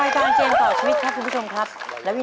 โปรดติดตามตอนต่อไป